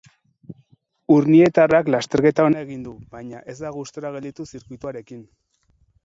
Urnietarrak lasterketa ona egin du, baina ez da gustora gelditu zirkuituarekin.